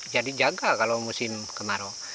jaga kalau musim kemarau